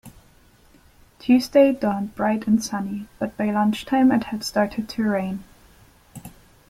Tuesday dawned bright and sunny, but by lunchtime it had started to rain